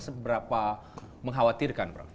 seberapa mengkhawatirkan prof